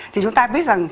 thì chúng ta biết rằng là